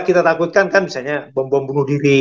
kita takutkan kan misalnya bom bom bunuh diri